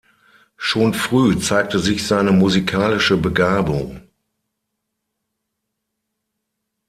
Schon früh zeigte sich seine musikalische Begabung.